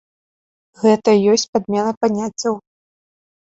Гэта і ёсць падмена паняццяў.